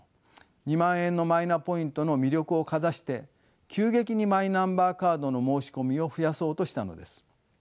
２万円のマイナポイントの魅力をかざして急激にマイナンバーカードの申し込みを増やそうとしたのです。